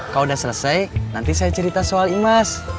kalau udah selesai nanti saya cerita soal imas